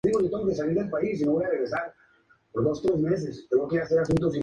Algunos bares pasaron a formar parte —oficialmente— del patrimonio cultural de la ciudad.